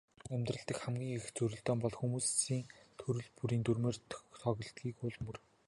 Амьдрал дахь хамгийн их зөрөлдөөн бол хүмүүс төрөл бүрийн дүрмээр тоглодгийн ул мөр.